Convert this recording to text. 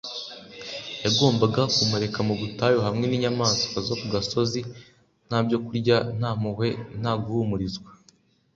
Yagombaga kumureka mu butayu hamwe n’inyamaswa zo ku gasozi, nta byokurya, nta mpuhwe, nta guhumurizwa